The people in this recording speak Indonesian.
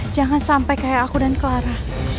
jangan sampai kayak aku dan clara